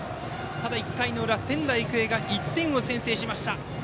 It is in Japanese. ただ１回の裏、仙台育英が１点先制しました。